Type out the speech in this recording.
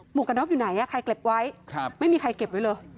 กระน็อกอยู่ไหนใครเก็บไว้ไม่มีใครเก็บไว้เลย